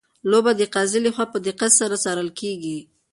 لوبه د قاضي لخوا په دقت سره څارل کیږي.